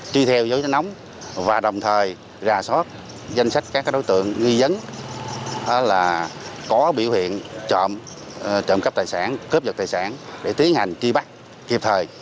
tuy theo dấu chân nóng và đồng thời ra soát danh sách các đối tượng nghi dấn có biểu hiện trộm cấp tài sản cướp dật tài sản để tiến hành tri bắt kiệp thời